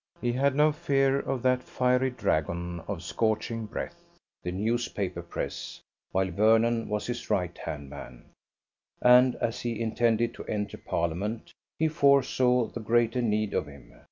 He had no fear of that fiery dragon of scorching breath the newspaper press while Vernon was his right hand man; and as he intended to enter Parliament, he foresaw the greater need of him.